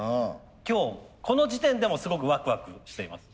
今日この時点でもすごくワクワクしています。